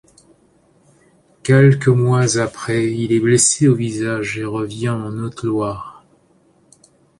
Quelques mois après il est blessé au visage et revient en Haute-Loire.